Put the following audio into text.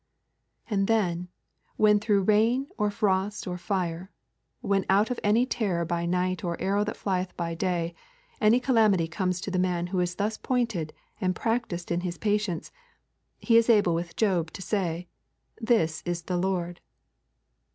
And, then, when through rain or frost or fire, when out of any terror by night or arrow that flieth by day, any calamity comes on the man who is thus pointed and practised in his patience, he is able with Job to say, 'This is the Lord.